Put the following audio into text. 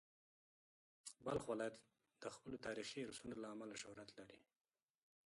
بلخ ولایت د خپلو تاریخي ارثونو له امله شهرت لري.